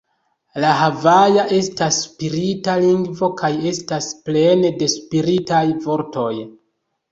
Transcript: La havaja estas spirita lingvo kaj estas plene de spiritaj vortoj.